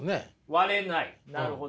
割れないなるほど。